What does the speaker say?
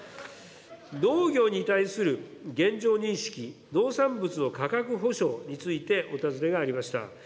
農業に対する現状認識、農産物の価格保障についてお尋ねがありました。